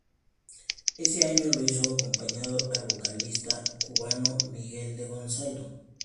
Ese año lo hizo acompañando al vocalista cubano Miguel de Gonzalo.